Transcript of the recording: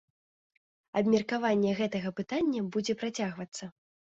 Абмеркаванне гэтага пытання будзе працягвацца.